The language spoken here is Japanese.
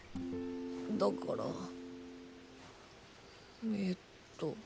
だからえっと。